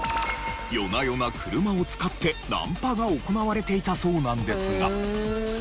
夜な夜な車を使ってナンパが行われていたそうなんですが。